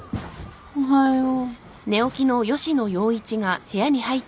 おはよう。